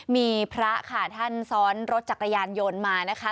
มีพระค่ะท่านซ้อนรถจักรยานยนต์มานะคะ